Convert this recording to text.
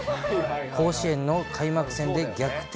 甲子園の開幕戦で逆転